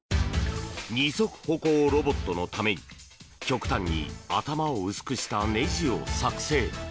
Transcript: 二足歩行ロボットのために極端に頭を薄くしたねじを作製。